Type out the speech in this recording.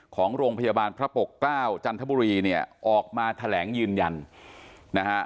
ของโรงพยาบาลพระปกเกล้าจันทบุรีเนี่ยออกมาแถลงยืนยันนะฮะ